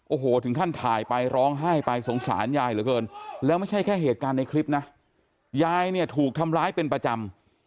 โอ้โหถึงขั้นถ่ายไปร้องไห้ไปสงสารยายเหลือเกินแล้วไม่ใช่แค่เหตุการณ์ในคลิปนะยายเนี่ยถูกทำร้ายเป็นประจำ